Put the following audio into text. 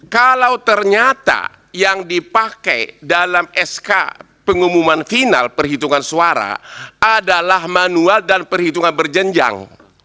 kalau ternyata yang dipakai dalam sk pengumuman final perhitungan suara adalah manual dan perhitungan berjenjang